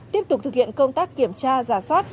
tiếp tục thực hiện công tác kiểm tra giả soát